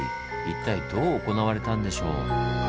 一体どう行われたんでしょう？